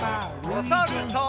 おさるさん。